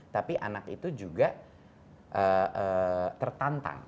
tapi anak itu juga tertantang